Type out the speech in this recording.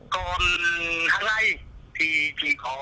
còn hàng ngày thì chỉ có